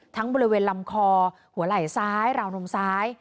บริเวณลำคอหัวไหล่ซ้ายราวนมซ้าย